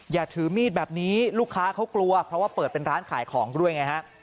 อย่าถือมีดแบบนี้ลูกค้าเขากลัวเพราะว่าเปิดเป็นร้านขายของด้วยไงฮะ